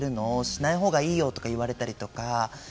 しないほうがいいよとか言われたりとか。